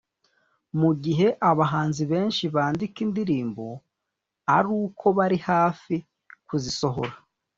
Mu gihe abahanzi benshi bandika indirimbo ari uko bari hafi kuzisohora